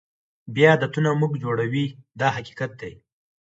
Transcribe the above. بیا عادتونه موږ جوړوي دا حقیقت دی.